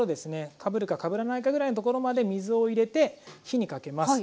かぶるかかぶらないかぐらいの所まで水を入れて火にかけます。